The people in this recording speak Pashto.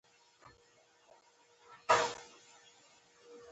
بهلول سمدستي ځواب ورکړ: هو.